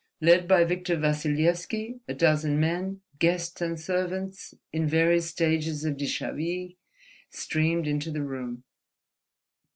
Led by Victor Vassilyevski a dozen men, guests and servants, in various stages of dishabille, streamed into the room.